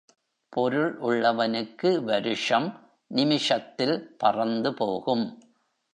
பொருள் உள்ளவனுக்கு வருஷம், நிமிஷத்தில் பறந்துபோகும்.